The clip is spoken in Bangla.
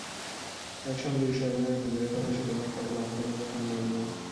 অ্যাকশন দৃশ্যে অভিনয় তো দূরের কথা, শুটিংয়ের ফাঁকে লাফালাফিও এখন বন্ধ।